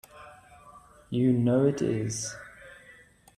You know it is!